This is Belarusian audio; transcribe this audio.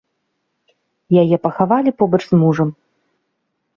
Яе пахавалі побач з мужам.